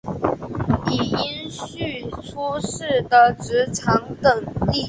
以荫叙出仕的直长等历任。